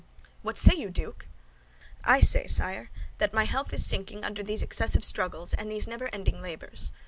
"What say you, Duke?" "I say, sire, that my health is sinking under these excessive struggles and these never ending labors.